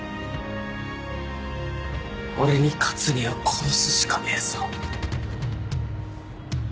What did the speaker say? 俺に勝つには殺すしかねえぞ。